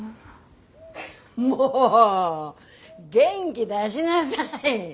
もう元気出しなさい！